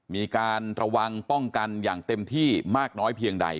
มีการระวังป้องกันอย่างเต็มที่มากน้อยเพียงใด